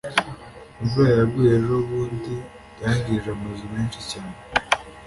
imvura yaguye ejobundi yangije amazu meshi cyane